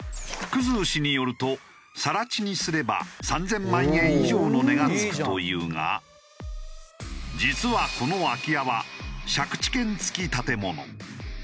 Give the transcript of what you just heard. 生氏によると更地にすれば３０００万円以上の値がつくというが実はこの空き家は借地権付き建物。